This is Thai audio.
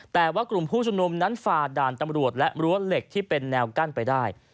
แต่ว่ากลุ่มผู้ชุมนุมนั้นฝ่าด่านตำรวจและรั้วเหล็กที่เป็นแนวกั้นไปได้